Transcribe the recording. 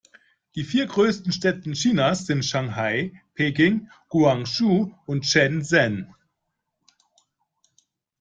Die vier größten Städte Chinas sind Shanghai, Peking, Guangzhou und Shenzhen.